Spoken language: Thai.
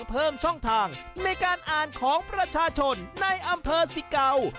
เพิ่มช่องทางในการอ่านของประชาชนในอำเภอสิเก่า